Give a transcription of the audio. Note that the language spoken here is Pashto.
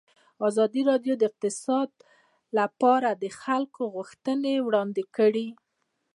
ازادي راډیو د اقتصاد لپاره د خلکو غوښتنې وړاندې کړي.